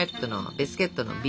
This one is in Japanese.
ビスケットの「Ｂ」。